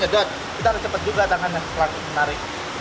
kita harus cepat juga tangan yang selalu menarik